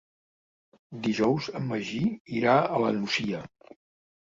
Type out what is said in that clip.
Dijous en Magí irà a la Nucia.